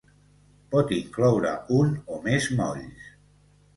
Pot incloure un o més molls.